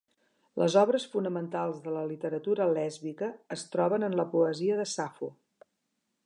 Les obres fonamentals de la literatura lèsbica es troben en la poesia de Safo.